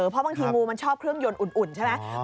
เพราะบางทีงูมันชอบเครื่องยนต์อุ่นใช่ไหม